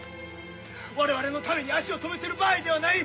我々のために足を止めてる場合ではない！